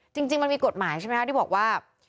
จริงมันมีกฎหมายใช่ไหมคะที่บอกว่า